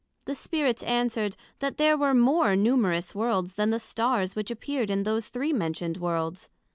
The Spirits answered, That there were more numerous Worlds then the Stars which appeared in these three mentioned Worlds.